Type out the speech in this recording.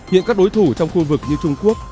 hiện các đối thủ trong khu vực như trung quốc